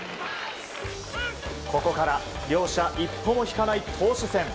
ここから両者一歩も引かない投手戦。